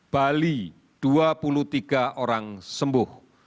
bali dua puluh tiga orang sembuh